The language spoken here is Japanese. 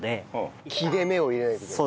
切れ目を入れないといけない？